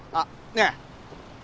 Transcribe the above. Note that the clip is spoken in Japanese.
ねえ。